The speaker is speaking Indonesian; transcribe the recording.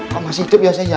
kamu masih hidup ya sayang